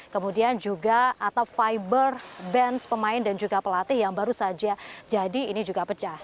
kemudian juga atau fiber bench pemain dan juga pelatih yang baru saja jadi ini juga pecah